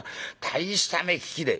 大した目利きで」。